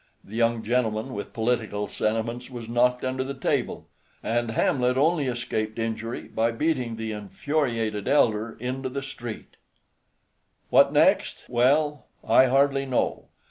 The young gentleman with political sentiments was knocked under the table, and Hamlet only escaped injury by beating the infuriated elder into the street. What next? Well, I hardly know.